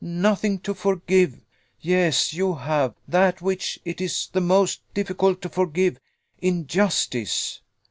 Nothing to forgive! Yes, you have; that which it is the most difficult to forgive injustice.